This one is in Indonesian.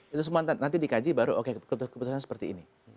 itu semua nanti dikaji baru oke keputusan keputusan seperti ini